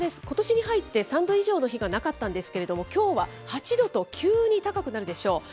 ことしに入って３度以上の日がなかったんですけれども、きょうは８度と急に高くなるでしょう。